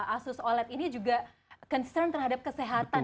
asus oled ini juga concern terhadap kesehatan